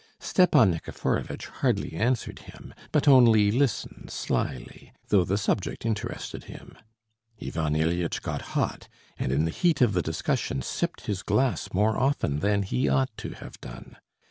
Stepan Nikiforovitch hardly answered him, but only listened slyly, though the subject interested him. Ivan Ilyitch got hot, and in the heat of the discussion sipped his glass more often than he ought to have done.